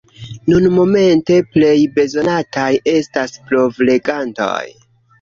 Nunmomente plej bezonataj estas provlegantoj.